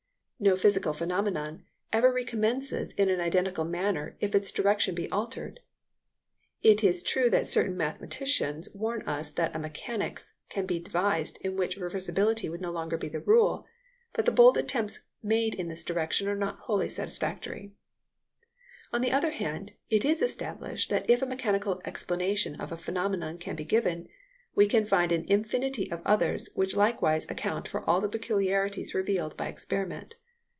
No physical phenomenon ever recommences in an identical manner if its direction be altered. It is true that certain mathematicians warn us that a mechanics can be devised in which reversibility would no longer be the rule, but the bold attempts made in this direction are not wholly satisfactory. [Footnote 1: I.e., the time curve. ED.] On the other hand, it is established that if a mechanical explanation of a phenomenon can be given, we can find an infinity of others which likewise account for all the peculiarities revealed by experiment.